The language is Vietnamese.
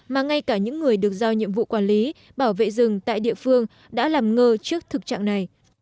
mà ngay cả những người được giao nhiệm vụ quản lý bảo vệ rừng tại địa phương đã làm ngơ trước thực trạng này